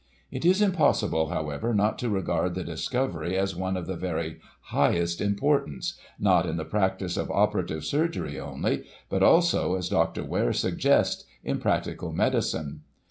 It is im possible, however, not to regard the discovery as one of the very highest importance, not in the practice of operative sur gery only, but, also, as Dr. Ware suggests, in practical medi cine.